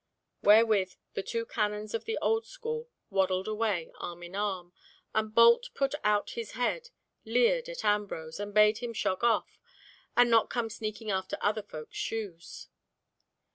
Wherewith the two canons of the old school waddled away, arm in arm, and Bolt put out his head, leered at Ambrose, and bade him shog off, and not come sneaking after other folk's shoes.